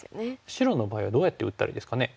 白の場合はどうやって打ったらいいですかね。